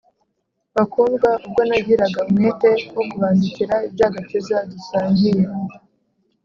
bakundwa, ubwo nagiraga umwete wo kubandikira iby’agakiza dusangiye